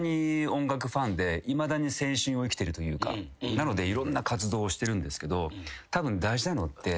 なのでいろんな活動をしてるんですけどたぶん。